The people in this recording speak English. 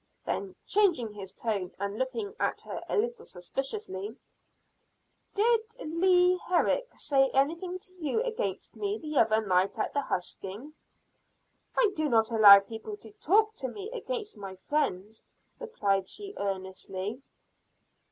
Then, changing his tone, and looking at her a little suspiciously. "Did Leah Herrick say anything to you against me the other night at the husking?" "I do not allow people to talk to me against my friends," replied she earnestly.